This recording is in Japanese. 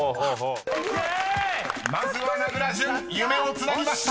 ［まずは名倉潤夢をつなぎました］